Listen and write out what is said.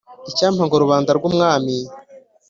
Icyampa ngo rubanda rw’Umwami